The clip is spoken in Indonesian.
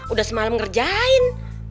udah semalam ngerjain